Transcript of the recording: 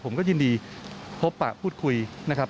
ผมก็ยินดีพบปะพูดคุยนะครับ